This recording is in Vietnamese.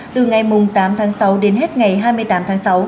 từ ngày tám tháng sáu đến hết ngày hai mươi tám tháng sáu